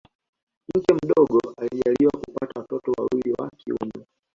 Mke mdogo alijaliwa kupata watoto wawili wa kiume